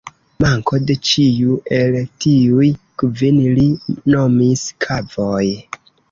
Manko de ĉiu el tiuj kvin li nomis "kavoj".